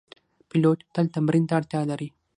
پیلوټ تل تمرین ته اړتیا لري.